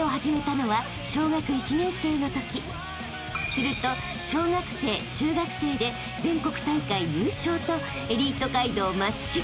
［すると小学生中学生で全国大会優勝とエリート街道まっしぐら］